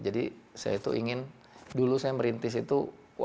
jadi saya itu ingin dulu saya merintis itu